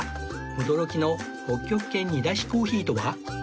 驚きの北極圏煮出しコーヒーとは？